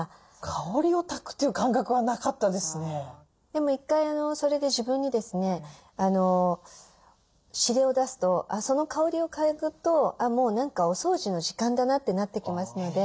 でも一回それで自分にですね指令を出すとその香りを嗅ぐともう何か「お掃除の時間だな」ってなってきますので。